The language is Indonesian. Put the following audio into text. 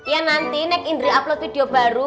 ya nanti nek indri upload video baru